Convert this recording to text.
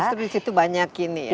terus terus itu banyak ini ya